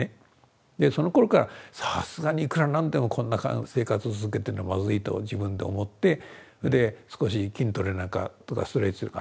そのころからさすがにいくら何でもこんな生活を続けてるのはまずいと自分で思ってそれで少し筋トレなんかとかストレッチとか始めて。